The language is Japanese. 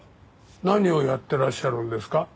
何をやってらっしゃるんですか？